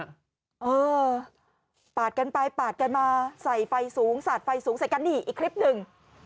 เออปาดกันไปปาดกันมาใส่ไฟสูงสาดไฟสูงใส่กันนี่อีกคลิปหนึ่ง